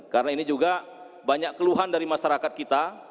karena ini juga banyak keluhan dari masyarakat kita